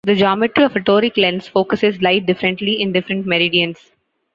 The geometry of a toric lens focuses light differently in different meridians.